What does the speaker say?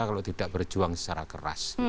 kalau tidak berjuang secara keras